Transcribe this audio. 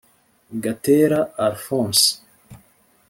Gatera Alphonse